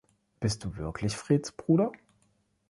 Bist du wirklich Freds Bruder?